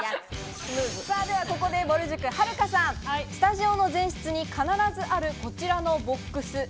ここで、ぼる塾・はるかさん、スタジオの前室に必ずある、こちらのボックス。